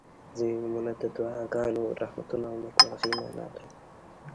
• ځینې نومونه د دعاګانو، رحمتونو او نیکمرغۍ معنا لري.